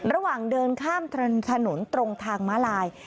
ระหว่างเดินข้ามถนนตรงทางม้าลาย